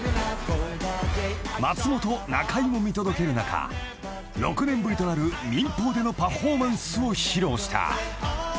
［松本中居も見届ける中６年ぶりとなる民放でのパフォーマンスを披露した］